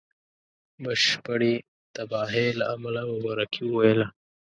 بشپړي تباهی له امله مبارکي وویله.